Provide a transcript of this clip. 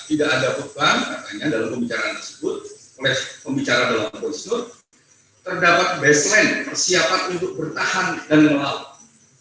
tidak ada beban makanya dalam pembicaraan tersebut pembicaraan dalam voice note terdapat baseline persiapan untuk bertahan dan melalui